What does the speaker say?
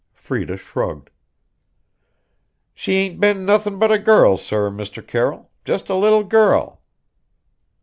Freda shrugged. "She ain't bane nothin' but a girl, sir, Mr. Carroll just a little girl."